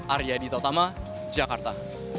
arya ditautama jakarta